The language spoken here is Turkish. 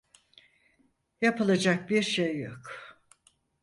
Yapılacak bir şey yok.